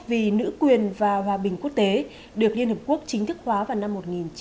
vì nữ quyền và hòa bình quốc tế được liên hiệp quốc chính thức hóa vào năm một nghìn chín trăm một mươi bảy